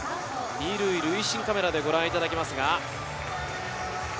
２塁塁審カメラでご覧いただきます。